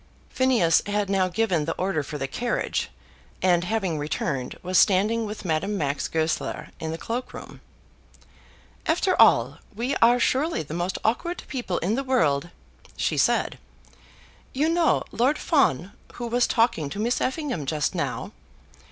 Phineas had now given the order for the carriage, and, having returned, was standing with Madame Max Goesler in the cloak room. "After all, we are surely the most awkward people in the world," she said. "You know Lord Fawn, who was talking to Miss Effingham just now.